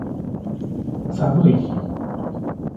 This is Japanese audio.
寒い日